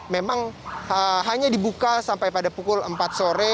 memang hanya dibuka sampai pada pukul empat sore